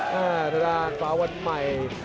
ทางด้านขวาวันใหม่